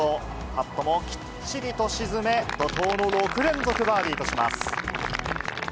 パットもきっちりと沈め、怒とうの６連続バーディーとします。